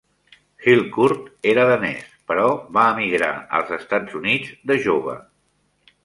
Hillcourt era danès, però va emigrar als Estats Units de jove.